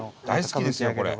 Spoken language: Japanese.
大好きですよ。